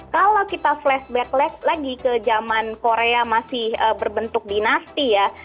kalau kita flashbacklash lagi ke zaman korea masih berbentuk dinasti ya